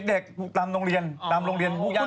เด็กตามโรงเรียนตามโรงเรียนทุกอย่าง